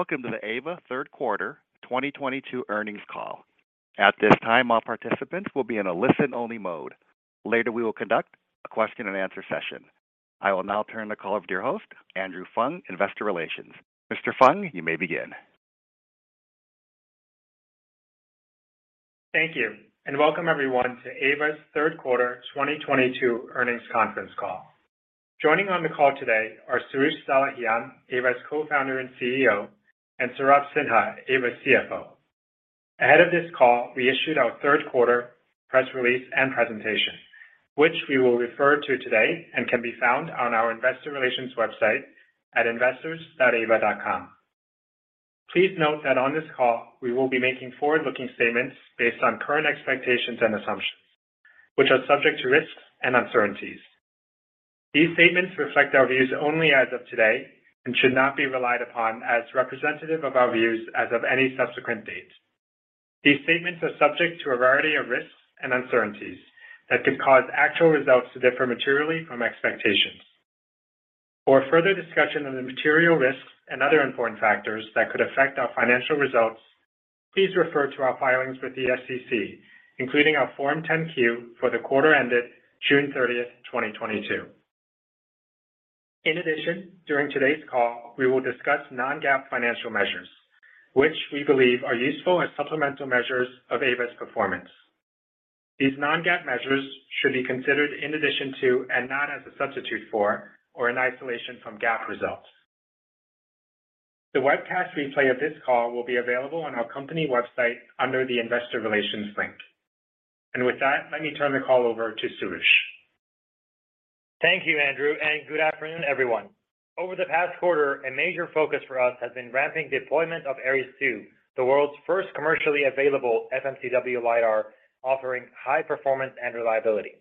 Welcome to the Aeva third quarter 2022 earnings call. At this time, all participants will be in a listen-only mode. Later, we will conduct a question and answer session. I will now turn the call over to your host, Andrew Fung, Investor Relations. Mr. Fung, you may begin. Thank you, and welcome everyone to Aeva's third quarter 2022 earnings conference call. Joining on the call today are Soroush Salehian, Aeva's Co-Founder and CEO, and Saurabh Sinha, Aeva's CFO. Ahead of this call, we issued our third quarter press release and presentation, which we will refer to today and can be found on our investor relations website at investors.aeva.com. Please note that on this call, we will be making forward-looking statements based on current expectations and assumptions, which are subject to risks and uncertainties. These statements reflect our views only as of today and should not be relied upon as representative of our views as of any subsequent date. These statements are subject to a variety of risks and uncertainties that could cause actual results to differ materially from expectations. For further discussion on the material risks and other important factors that could affect our financial results, please refer to our filings with the SEC, including our Form 10-Q for the quarter ended June 30th, 2022. In addition, during today's call, we will discuss non-GAAP financial measures, which we believe are useful as supplemental measures of Aeva's performance. These non-GAAP measures should be considered in addition to and not as a substitute for or in isolation from GAAP results. The webcast replay of this call will be available on our company website under the investor relations link. With that, let me turn the call over to Soroush. Thank you, Andrew, and good afternoon, everyone. Over the past quarter, a major focus for us has been ramping deployment of Aeries II, the world's first commercially available FMCW LiDAR, offering high performance and reliability.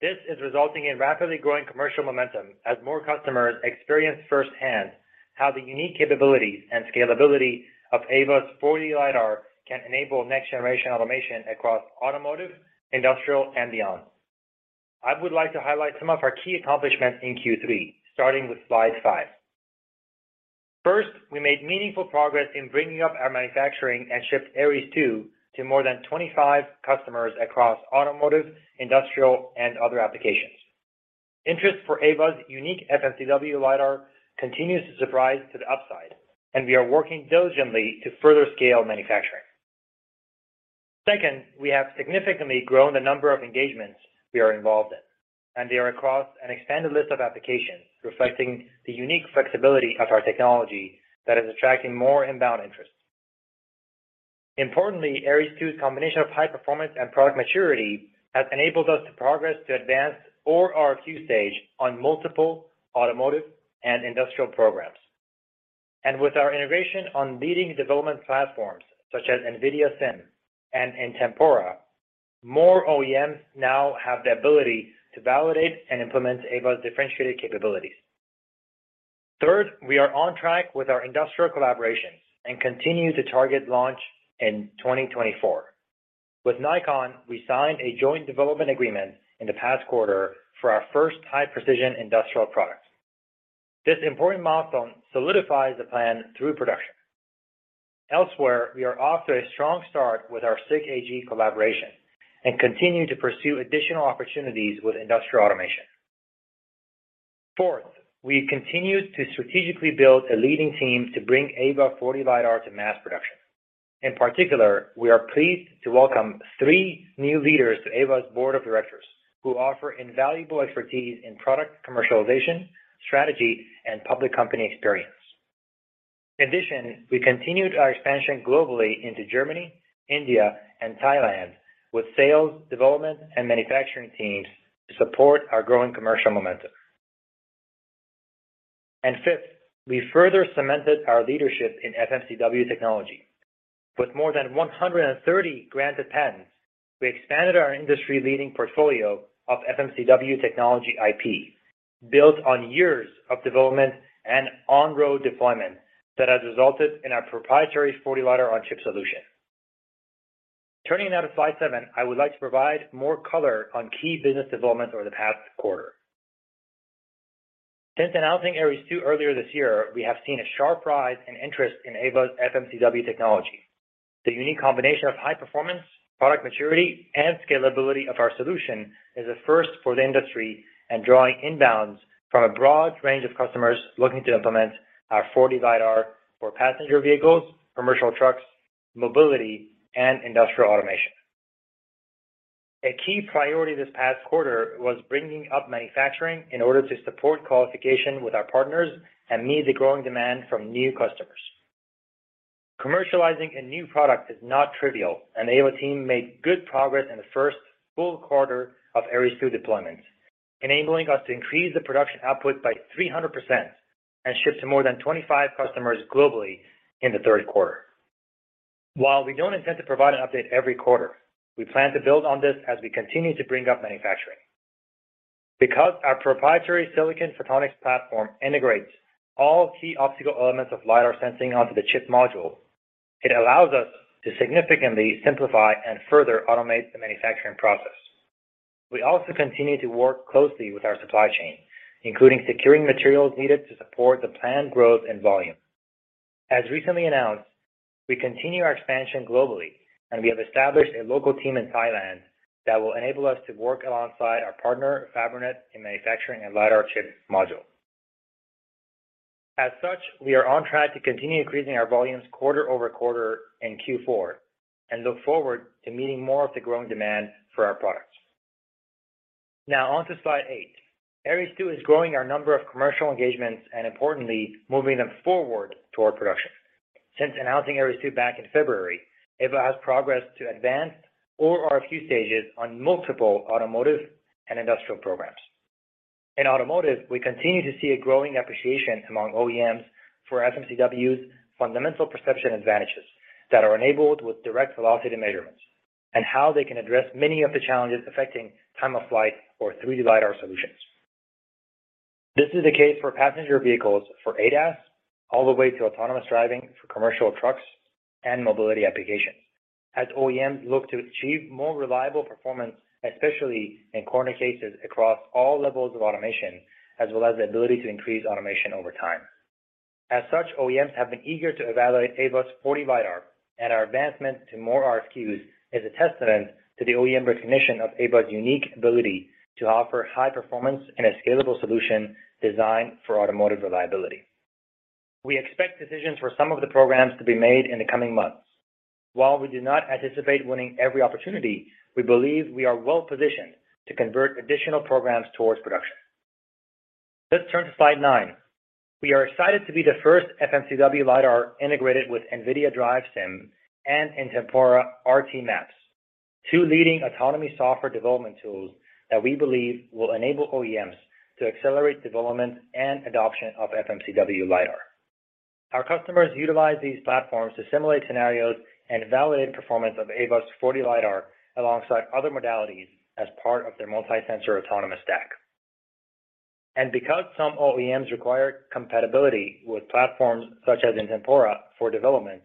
This is resulting in rapidly growing commercial momentum as more customers experience firsthand how the unique capabilities and scalability of Aeva's 4D LiDAR can enable next generation automation across automotive, industrial, and beyond. I would like to highlight some of our key accomplishments in Q3, starting with slide five. First, we made meaningful progress in bringing up our manufacturing and shipped Aeries II to more than 25 customers across automotive, industrial, and other applications. Interest for Aeva's unique FMCW LiDAR continues to surprise to the upside, and we are working diligently to further scale manufacturing. Second, we have significantly grown the number of engagements we are involved in, they are across an expanded list of applications, reflecting the unique flexibility of our technology that is attracting more inbound interest. Importantly, Aeries II's combination of high performance and product maturity has enabled us to progress to advance or RFQ stage on multiple automotive and industrial programs. With our integration on leading development platforms such as NVIDIA DRIVE Sim and Intempora, more OEMs now have the ability to validate and implement Aeva's differentiated capabilities. Third, we are on track with our industrial collaborations and continue to target launch in 2024. With Nikon, we signed a joint development agreement in the past quarter for our first high-precision industrial product. This important milestone solidifies the plan through production. Elsewhere, we are off to a strong start with our SICK AG collaboration and continue to pursue additional opportunities with industrial automation. Fourth, we continued to strategically build a leading team to bring Aeva 4D LiDAR to mass production. In particular, we are pleased to welcome three new leaders to Aeva's board of directors, who offer invaluable expertise in product commercialization, strategy, and public company experience. In addition, we continued our expansion globally into Germany, India, and Thailand with sales, development, and manufacturing teams to support our growing commercial momentum. Fifth, we further cemented our leadership in FMCW technology. With more than 130 granted patents, we expanded our industry-leading portfolio of FMCW technology IP, built on years of development and on-road deployment that has resulted in our proprietary LiDAR-on-chip solution. Turning now to slide seven, I would like to provide more color on key business developments over the past quarter. Since announcing Aeries II earlier this year, we have seen a sharp rise in interest in Aeva's FMCW technology. The unique combination of high performance, product maturity, and scalability of our solution is a first for the industry and drawing inbounds from a broad range of customers looking to implement our 4D LiDAR for passenger vehicles, commercial trucks, mobility, and industrial automation. A key priority this past quarter was bringing up manufacturing in order to support qualification with our partners and meet the growing demand from new customers. Commercializing a new product is not trivial, the Aeva team made good progress in the first full quarter of Aeries II deployment, enabling us to increase the production output by 300% and ship to more than 25 customers globally in the third quarter. While we don't intend to provide an update every quarter, we plan to build on this as we continue to bring up manufacturing. Because our proprietary silicon photonics platform integrates all key optical elements of LiDAR sensing onto the chip module, it allows us to significantly simplify and further automate the manufacturing process. We also continue to work closely with our supply chain, including securing materials needed to support the planned growth and volume. As recently announced, we continue our expansion globally, and we have established a local team in Thailand that will enable us to work alongside our partner, Fabrinet, in manufacturing a LiDAR chip module. As such, we are on track to continue increasing our volumes quarter-over-quarter in Q4, and look forward to meeting more of the growing demand for our products. Now, onto slide eight. Aeries II is growing our number of commercial engagements and importantly, moving them forward toward production. Since announcing Aeries II back in February, Aeva has progressed to advanced or RFQ stages on multiple automotive and industrial programs. In automotive, we continue to see a growing appreciation among OEMs for FMCW's fundamental perception advantages that are enabled with direct velocity measurements, and how they can address many of the challenges affecting time of flight or 3D LiDAR solutions. This is the case for passenger vehicles for ADAS, all the way to autonomous driving for commercial trucks and mobility applications. As OEMs look to achieve more reliable performance, especially in corner cases across all levels of automation, as well as the ability to increase automation over time. As such, OEMs have been eager to evaluate Aeva's 4D LiDAR, and our advancement to more RFQs is a testament to the OEM recognition of Aeva's unique ability to offer high performance in a scalable solution designed for automotive reliability. We expect decisions for some of the programs to be made in the coming months. While we do not anticipate winning every opportunity, we believe we are well-positioned to convert additional programs towards production. Let's turn to slide nine. We are excited to be the first FMCW LiDAR integrated with NVIDIA DRIVE Sim and Intempora RTMaps, two leading autonomy software development tools that we believe will enable OEMs to accelerate development and adoption of FMCW LiDAR. Our customers utilize these platforms to simulate scenarios and validate performance of Aeva's 4D LiDAR alongside other modalities as part of their multi-sensor autonomous stack. Because some OEMs require compatibility with platforms such as Intempora for development,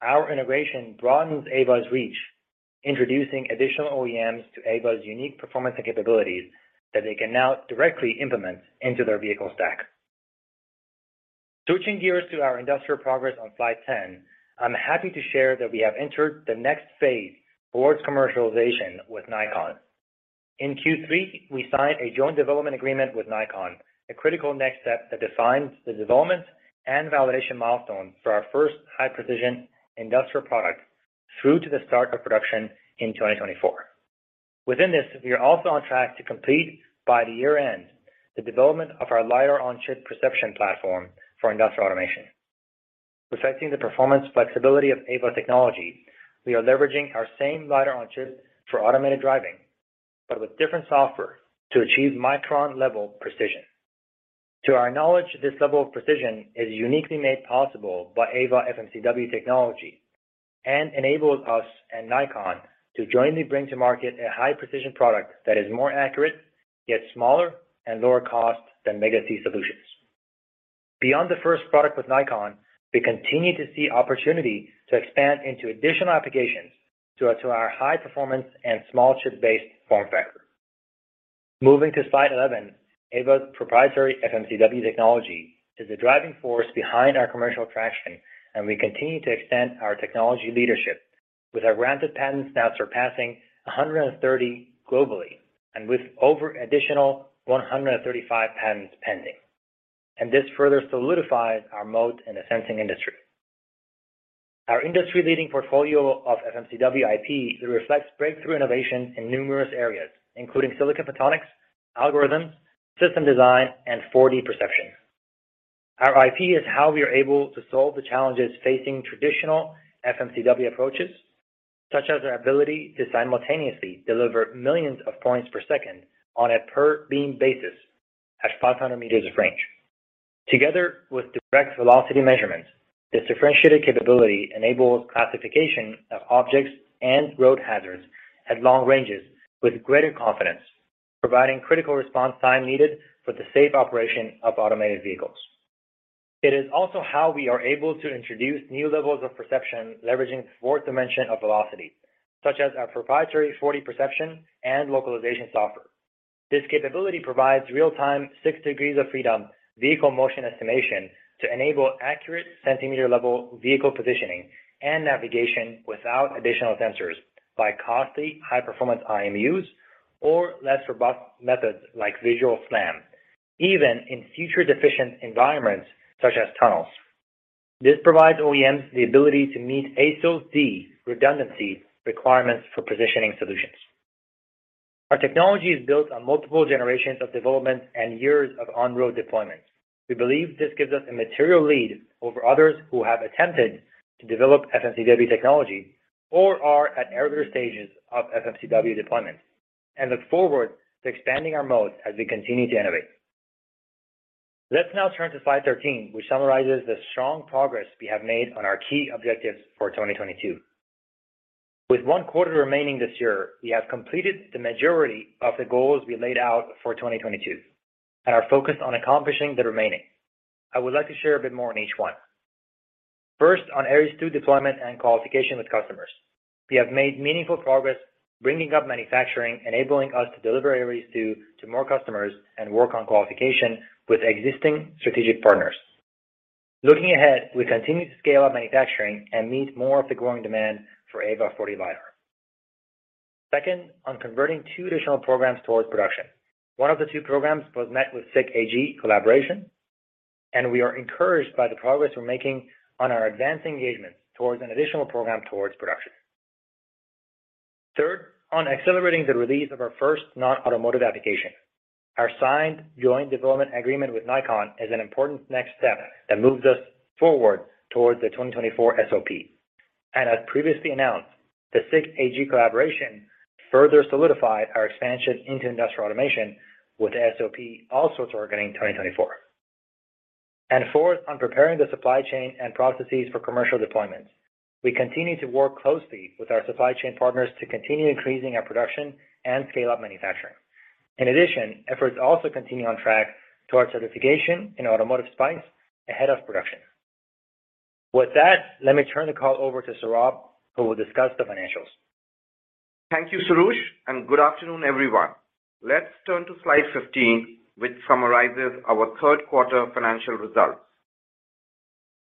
our integration broadens Aeva's reach, introducing additional OEMs to Aeva's unique performance and capabilities that they can now directly implement into their vehicle stack. Switching gears to our industrial progress on slide 10, I'm happy to share that we have entered the next phase towards commercialization with Nikon. In Q3, we signed a joint development agreement with Nikon, a critical next step that defines the development and validation milestones for our first high-precision industrial product through to the start of production in 2024. Within this, we are also on track to complete by the year-end, the development of our LiDAR-on-chip perception platform for industrial automation. Reflecting the performance flexibility of Aeva technology, we are leveraging our same LiDAR-on-chip for automated driving, but with different software to achieve micron level precision. To our knowledge, this level of precision is uniquely made possible by Aeva FMCW technology and enables us and Nikon to jointly bring to market a high-precision product that is more accurate, yet smaller and lower cost than Mega-Z solutions. Beyond the first product with Nikon, we continue to see opportunity to expand into additional applications due to our high performance and small chip-based form factor. Moving to slide 11, Aeva's proprietary FMCW technology is the driving force behind our commercial traction. We continue to extend our technology leadership with our granted patents now surpassing 130 globally, with over additional 135 patents pending. This further solidifies our moat in the sensing industry. Our industry-leading portfolio of FMCW IP reflects breakthrough innovation in numerous areas, including silicon photonics, algorithms, system design, and 4D perception. Our IP is how we are able to solve the challenges facing traditional FMCW approaches, such as our ability to simultaneously deliver millions of points per second on a per beam basis at 500 meters of range. Together with direct velocity measurements, this differentiated capability enables classification of objects and road hazards at long ranges with greater confidence, providing critical response time needed for the safe operation of automated vehicles. It is also how we are able to introduce new levels of perception leveraging the fourth dimension of velocity, such as our proprietary 4D perception and localization software. This capability provides real-time, six degrees of freedom, vehicle motion estimation to enable accurate centimeter-level vehicle positioning and navigation without additional sensors by costly, high performance IMUs, or less robust methods like visual SLAM, even in future deficient environments such as tunnels. This provides OEMs the ability to meet ASIL D redundancy requirements for positioning solutions. Our technology is built on multiple generations of development and years of on-road deployment. We believe this gives us a material lead over others who have attempted to develop FMCW technology or are at earlier stages of FMCW deployment, and look forward to expanding our moat as we continue to innovate. Let's now turn to slide 13, which summarizes the strong progress we have made on our key objectives for 2022. With one quarter remaining this year, we have completed the majority of the goals we laid out for 2022 and are focused on accomplishing the remaining. I would like to share a bit more on each one. First, on Aeries II deployment and qualification with customers. We have made meaningful progress bringing up manufacturing, enabling us to deliver Aeries II to more customers and work on qualification with existing strategic partners. Looking ahead, we continue to scale up manufacturing and meet more of the growing demand for Aeva 4D LiDAR. Second, on converting two additional programs towards production. One of the two programs was met with SICK AG collaboration. We are encouraged by the progress we're making on our advanced engagements towards an additional program towards production. Third, on accelerating the release of our first non-automotive application. Our signed joint development agreement with Nikon is an important next step that moves us forward towards the 2024 SOP. As previously announced, the SICK AG collaboration further solidified our expansion into industrial automation with the SOP also targeting 2024. Fourth, on preparing the supply chain and processes for commercial deployments. We continue to work closely with our supply chain partners to continue increasing our production and scale-up manufacturing. In addition, efforts also continue on track towards certification in Automotive SPICE ahead of production. With that, let me turn the call over to Saurabh, who will discuss the financials. Thank you, Soroush, and good afternoon, everyone. Let's turn to slide 15, which summarizes our third quarter financial results.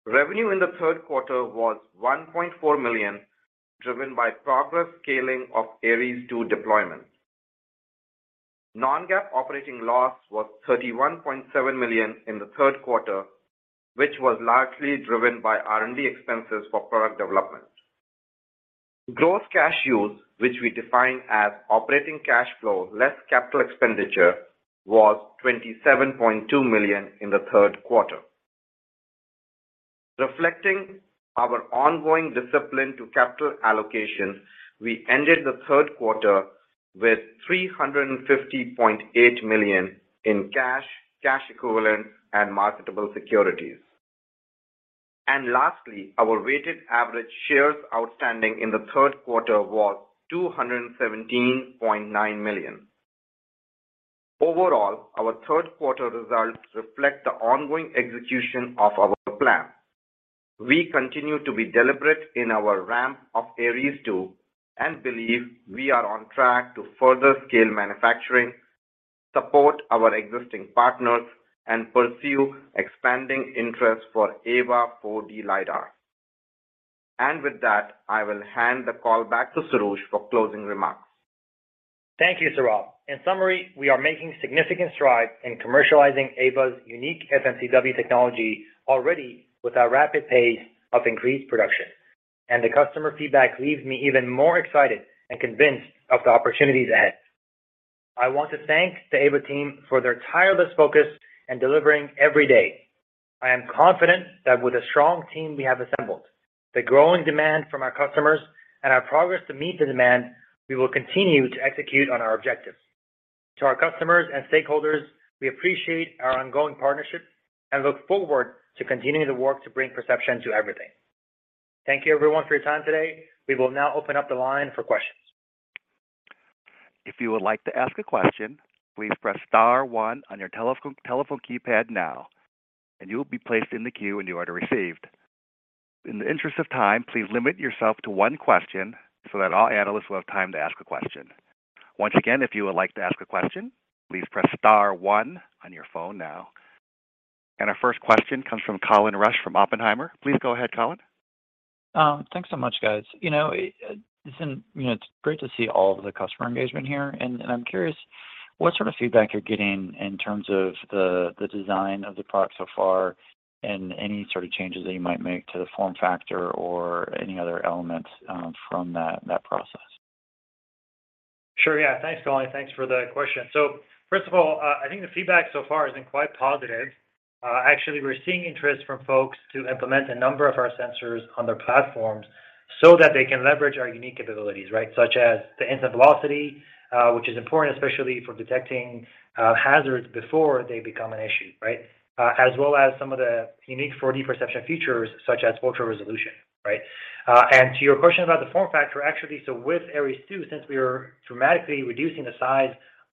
Revenue in the third quarter was $1.4 million, driven by progress scaling of Aeries II deployments. Non-GAAP operating loss was $31.7 million in the third quarter, which was largely driven by R&D expenses for product development. Gross cash use, which we define as operating cash flow less capital expenditure, was $27.2 million in the third quarter. Reflecting our ongoing discipline to capital allocation, we ended the third quarter with $350.8 million in cash equivalents, and marketable securities. Lastly, our weighted average shares outstanding in the third quarter was 217.9 million. Overall, our third quarter results reflect the ongoing execution of our plan. We continue to be deliberate in our ramp of Aeries II and believe we are on track to further scale manufacturing, support our existing partners, and pursue expanding interest for Aeva 4D LiDAR. With that, I will hand the call back to Soroush for closing remarks. Thank you, Saurabh. In summary, we are making significant strides in commercializing Aeva's unique FMCW technology already with our rapid pace of increased production. The customer feedback leaves me even more excited and convinced of the opportunities ahead. I want to thank the Aeva team for their tireless focus in delivering every day. I am confident that with the strong team we have assembled, the growing demand from our customers, and our progress to meet the demand, we will continue to execute on our objectives. To our customers and stakeholders, we appreciate our ongoing partnership and look forward to continuing to work to bring perception to everything. Thank you everyone for your time today. We will now open up the line for questions. If you would like to ask a question, please press star one on your telephone keypad now, and you will be placed in the queue in the order received. In the interest of time, please limit yourself to one question so that all analysts will have time to ask a question. Once again, if you would like to ask a question, please press star one on your phone now. Our first question comes from Colin Rusch from Oppenheimer. Please go ahead, Colin. Thanks so much, guys. It's great to see all of the customer engagement here, and I'm curious what sort of feedback you're getting in terms of the design of the product so far and any sort of changes that you might make to the form factor or any other elements from that process. Sure, yeah. Thanks, Colin. Thanks for the question. First of all, I think the feedback so far has been quite positive. Actually, we're seeing interest from folks to implement a number of our sensors on their platforms so that they can leverage our unique capabilities, right? Such as the instant velocity, which is important, especially for detecting hazards before they become an issue, right? As well as some of the unique 4D perception features such as ultra resolution. Right? To your question about the form factor, actually, with Aeries II, since we are dramatically reducing the size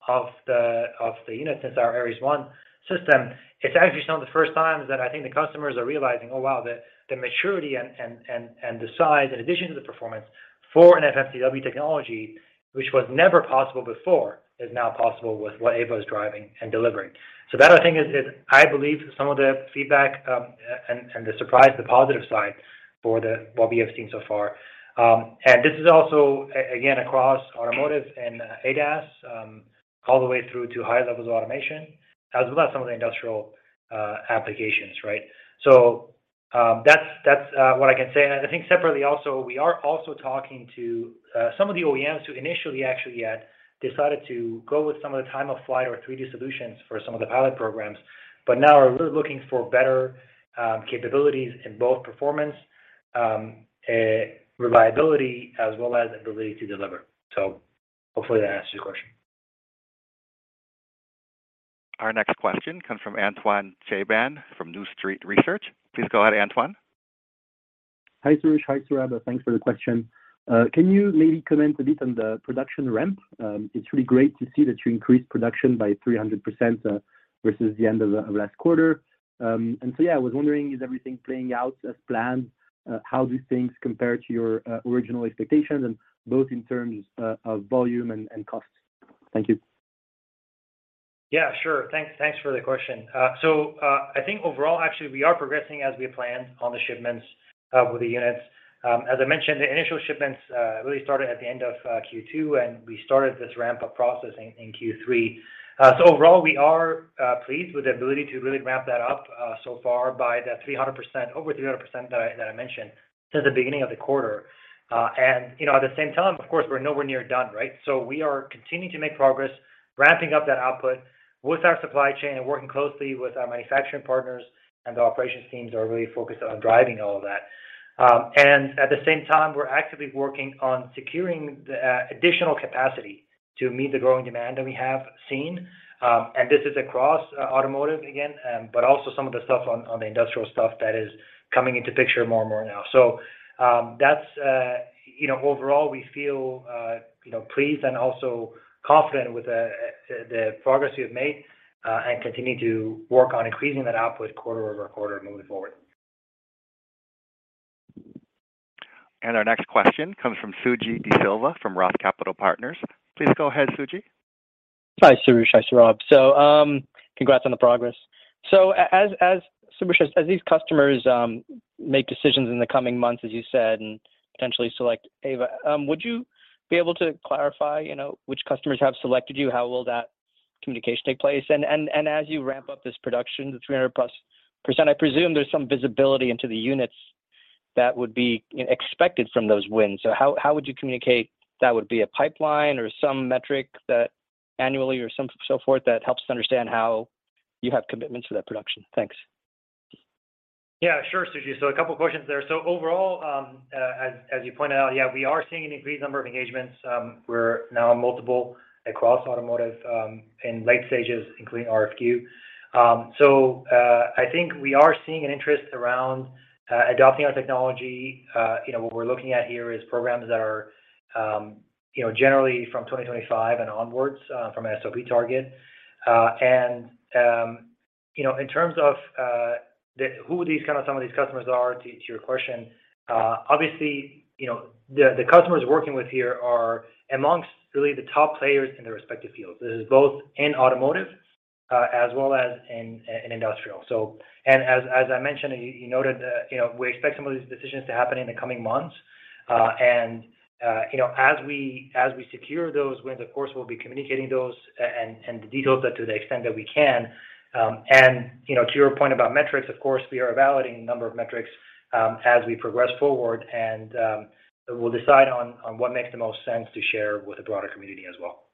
of the unit since our Aeries I system, it's actually some of the first times that I think the customers are realizing, oh, wow, the maturity and the size in addition to the performance for an FMCW technology, which was never possible before, is now possible with what Aeva is driving and delivering. That, I think is, I believe, some of the feedback, and the surprise, the positive side for what we have seen so far. This is also, again, across automotive and ADAS, all the way through to high levels of automation, as well as some of the industrial applications, right? That's what I can say. I think separately also, we are also talking to some of the OEMs who initially actually had decided to go with some of the time-of-flight or 3D solutions for some of the pilot programs, but now are really looking for better capabilities in both performance, reliability, as well as ability to deliver. Hopefully that answers your question. Our next question comes from Antoine Chkaiban from New Street Research. Please go ahead, Antoine. Hi, Soroush. Hi, Saurabh. Thanks for the question. Can you maybe comment a bit on the production ramp? It's really great to see that you increased production by 300% versus the end of last quarter. Yeah, I was wondering, is everything playing out as planned? How do things compare to your original expectations, both in terms of volume and costs? Thank you. Yeah, sure. Thanks for the question. I think overall, actually, we are progressing as we had planned on the shipments of the units. As I mentioned, the initial shipments really started at the end of Q2, and we started this ramp-up process in Q3. Overall, we are pleased with the ability to really ramp that up so far by over the 300% that I mentioned since the beginning of the quarter. At the same time, of course, we're nowhere near done. We are continuing to make progress ramping up that output with our supply chain and working closely with our manufacturing partners, and the operations teams are really focused on driving all of that. At the same time, we're actively working on securing the additional capacity to meet the growing demand that we have seen. This is across automotive again, but also some of the stuff on the industrial stuff that is coming into picture more and more now. Overall, we feel pleased and also confident with the progress we have made and continue to work on increasing that output quarter-over-quarter moving forward. Our next question comes from Sujeeva De Silva from Roth Capital Partners. Please go ahead, Suji. Hi, Soroush. Hi, Saurabh. Congrats on the progress. Soroush, as these customers make decisions in the coming months, as you said, and potentially select Aeva, would you be able to clarify which customers have selected you? How will that communication take place? As you ramp up this production to 300% plus, I presume there's some visibility into the units that would be expected from those wins. How would you communicate that would-be pipeline or some metric that annually or so forth that helps to understand how you have commitments for that production? Thanks. Yeah, sure, Suji. A couple of questions there. Overall, as you pointed out, yeah, we are seeing an increased number of engagements. We're now on multiple across automotive in late stages, including RFQ. I think we are seeing an interest around adopting our technology. What we're looking at here is programs that are generally from 2025 and onwards from an SOP target. In terms of who some of these customers are, to your question, obviously, the customers we're working with here are amongst really the top players in their respective fields. This is both in automotive as well as in industrial. As I mentioned, you noted that we expect some of these decisions to happen in the coming months. As we secure those wins, of course, we'll be communicating those and the details to the extent that we can. To your point about metrics, of course, we are evaluating a number of metrics as we progress forward, and we'll decide on what makes the most sense to share with the broader community as well.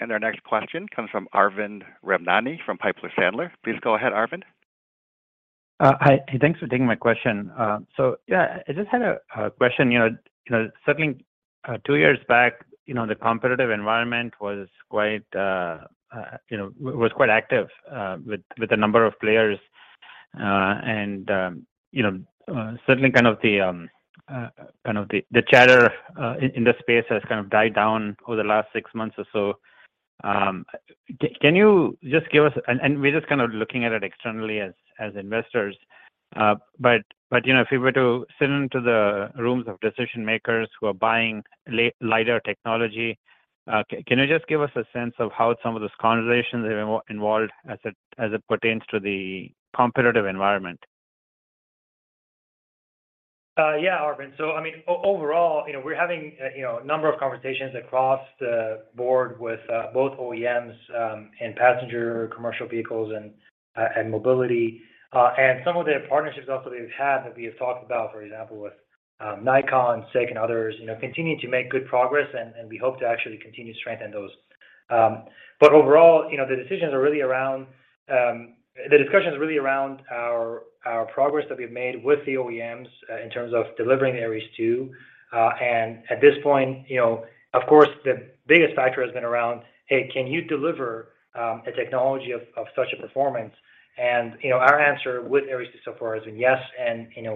Our next question comes from Arvind Ramnani from Piper Sandler. Please go ahead, Arvind. Hi. Thanks for taking my question. I just had a question. Certainly, two years back, the competitive environment was quite active with the number of players. Certainly, the chatter in the space has died down over the last six months or so. We're just looking at it externally as investors. If we were to sit into the rooms of decision-makers who are buying LiDAR technology, can you just give us a sense of how some of those conversations have evolved as it pertains to the competitive environment? Arvind. I mean, overall, we're having a number of conversations across the board with both OEMs and passenger commercial vehicles and mobility. Some of the partnerships also that we've had that we have talked about, for example, with Nikon, SICK, and others, continue to make good progress, and we hope to actually continue to strengthen those. Overall, the discussion's really around our progress that we've made with the OEMs in terms of delivering Aeries II. At this point, of course, the biggest factor has been around, "Hey, can you deliver a technology of such a performance?" Our answer with Aeries II so far has been yes.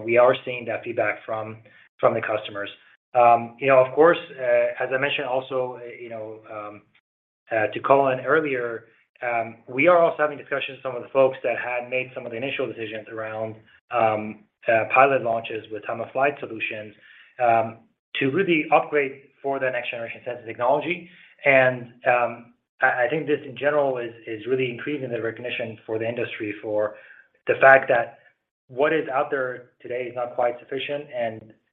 We are seeing that feedback from the customers. Of course, as I mentioned also to Colin earlier, we are also having discussions with some of the folks that had made some of the initial decisions around pilot launches with time-of-flight solutions to really upgrade for the next generation sensor technology. I think this, in general, is really increasing the recognition for the industry for the fact that what is out there today is not quite sufficient.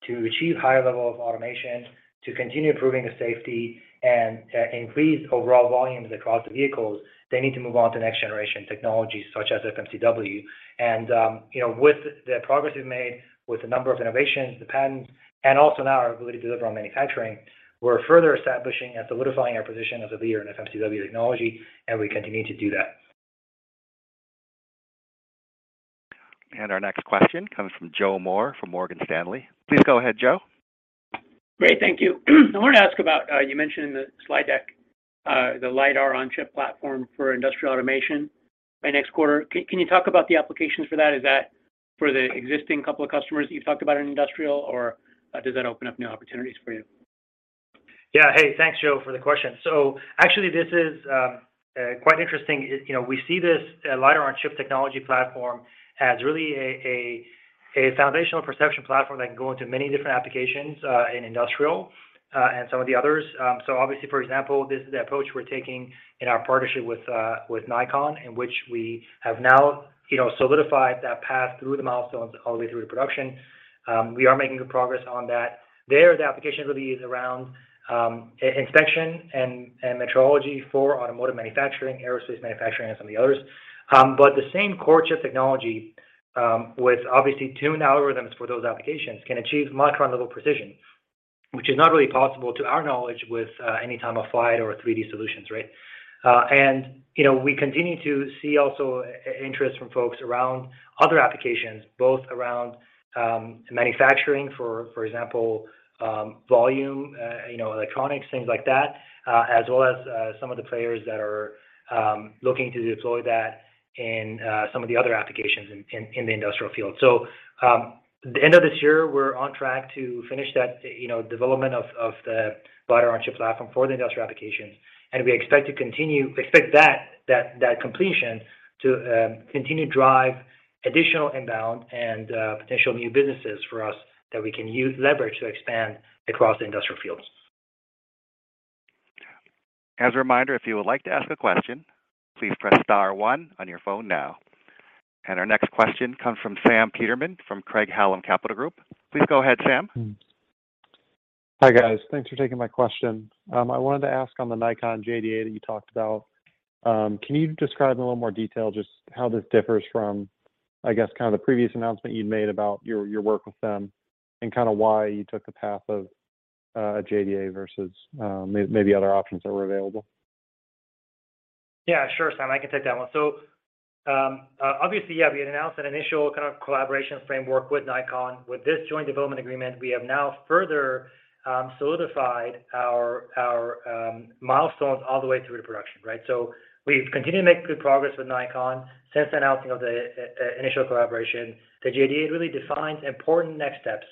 To achieve higher level of automation, to continue improving the safety, and to increase overall volumes across the vehicles, they need to move on to next generation technologies such as FMCW. With the progress we've made with the number of innovations, the patents, and also now our ability to deliver on manufacturing, we're further establishing and solidifying our position as a leader in FMCW technology, and we continue to do that. Our next question comes from Joseph Moore from Morgan Stanley. Please go ahead, Joe. Great. Thank you. I wanted to ask about, you mentioned in the slide deck, the LiDAR-on-chip platform for industrial automation by next quarter. Can you talk about the applications for that? Is that for the existing couple of customers that you've talked about in industrial, or does that open up new opportunities for you? Yeah. Hey, thanks, Joe, for the question. Actually, this is quite interesting. We see this LiDAR-on-chip technology platform as really a foundational perception platform that can go into many different applications in industrial and some of the others. Obviously, for example, this is the approach we're taking in our partnership with Nikon, in which we have now solidified that path through the milestones all the way through to production. We are making good progress on that. There, the application really is around inspection and metrology for automotive manufacturing, aerospace manufacturing, and some of the others. The same core chip technology, with obviously tuned algorithms for those applications, can achieve micron-level precision, which is not really possible, to our knowledge, with any time-of-flight or 3D solutions, right? We continue to see also interest from folks around other applications, both around manufacturing, for example, volume, electronics, things like that, as well as some of the players that are looking to deploy that in some of the other applications in the industrial field. The end of this year, we're on track to finish that development of the LiDAR-on-chip platform for the industrial applications, and we expect that completion to continue to drive additional inbound and potential new businesses for us that we can leverage to expand across the industrial fields. As a reminder, if you would like to ask a question, please press star one on your phone now. Our next question comes from Sam Peterman from Craig-Hallum Capital Group. Please go ahead, Sam. Hi, guys. Thanks for taking my question. I wanted to ask on the Nikon JDA that you talked about, can you describe in a little more detail just how this differs from, I guess, the previous announcement you'd made about your work with them and why you took the path of a JDA versus maybe other options that were available? Yeah, sure, Sam. I can take that one. Obviously, yeah, we had announced an initial kind of collaboration framework with Nikon. With this joint development agreement, we have now further solidified our milestones all the way through to production. Right? We've continued to make good progress with Nikon since the announcing of the initial collaboration. The JDA really defines important next steps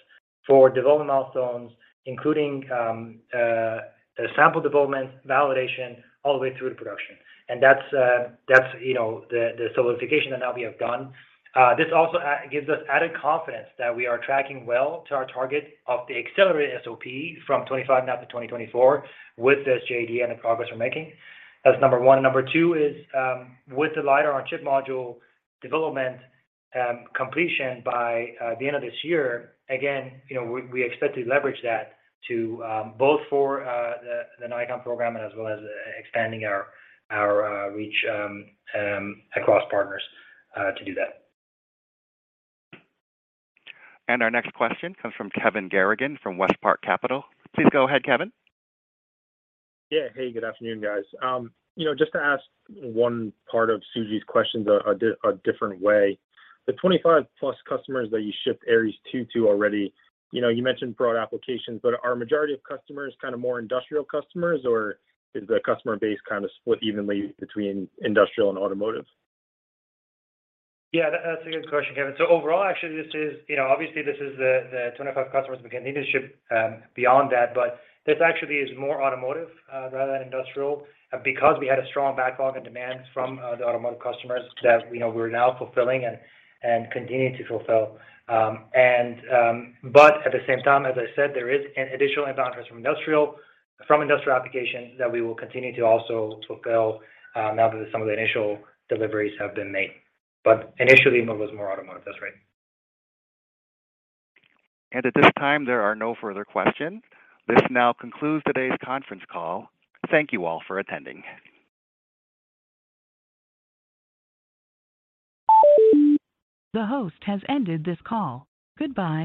for development milestones, including the sample development, validation, all the way through to production. That's the solidification that now we have done. This also gives us added confidence that we are tracking well to our target of the accelerated SOP from 2025 now to 2024 with this JDA and the progress we're making. That's number one. Number two is with the LiDAR-on-chip module development completion by the end of this year, again, we expect to leverage that to both for the Nikon program as well as expanding our reach across partners to do that. Our next question comes from Kevin Garrigan from WestPark Capital. Please go ahead, Kevin. Yeah. Hey, good afternoon, guys. Just to ask one part of Suji's questions a different way, the 25-plus customers that you shipped Aeries II to already, you mentioned broad applications, but are a majority of customers kind of more industrial customers, or is the customer base kind of split evenly between industrial and automotive? Yeah, that's a good question, Kevin. Overall, actually, obviously, this is the 25 customers. We continue to ship beyond that, but this actually is more automotive rather than industrial because we had a strong backlog and demand from the automotive customers that we know we're now fulfilling and continuing to fulfill. At the same time, as I said, there is an additional inbound from industrial applications that we will continue to also fulfill now that some of the initial deliveries have been made. Initially, it was more automotive. That's right. At this time, there are no further questions. This now concludes today's conference call. Thank you all for attending. The host has ended this call. Goodbye